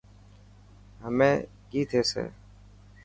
همي ڪئي ٿيسي.